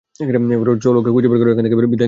চলো ওকে খুঁজে বের করে এখান থেকে বিদায় নেয়া যাক।